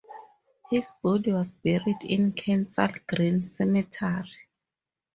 His body was buried in Kensal Green Cemetery.